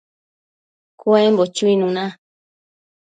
cuembo chuinuna